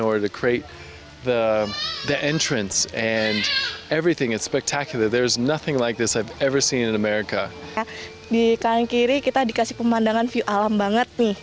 di kanan kiri kita dikasih pemandangan view alam banget nih